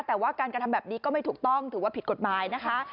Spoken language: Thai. แต่ว่าการกระทำแบบนี้ก็ไม่ถูกต้องถือว่าผิดกฎหมายนะคะ